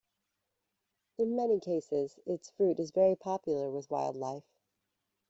In many cases its fruit is very popular with wildlife.